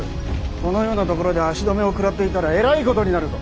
このような所で足止めを食らっていたらえらいことになるぞ。